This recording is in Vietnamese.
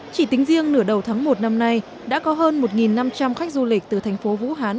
chỉ tính riêng nửa đầu tháng một năm nay đã có hơn một năm trăm linh khách du lịch từ thành phố vũ hán